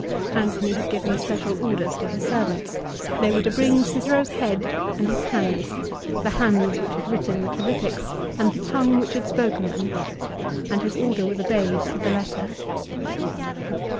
Antony had given special orders to his servants. They were to bring Cicero's head and his hands, the hands which had written the Philippics and the tongue which had spoken them, and his order was obeyed to the letter.